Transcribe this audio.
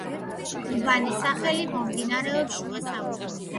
უბანის სახელი მომდინარეობს შუა საუკუნიდან.